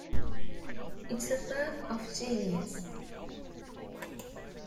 It's a work of genius.